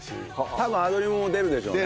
多分アドリブも出るでしょうね